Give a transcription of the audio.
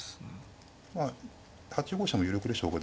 まあ８五飛車も有力でしょう